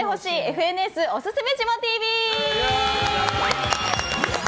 ＦＮＳおすすめジモＴＶ。